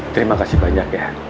terima kasih banyak yah